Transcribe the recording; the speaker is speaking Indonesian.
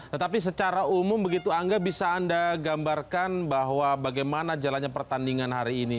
tetapi secara umum begitu angga bisa anda gambarkan bahwa bagaimana jalannya pertandingan hari ini